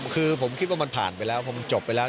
คือผมคิดว่ามันผ่านไปแล้วพอมันจบไปแล้ว